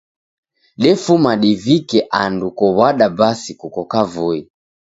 Defuma divike andu kow'ada basi kuko kavui.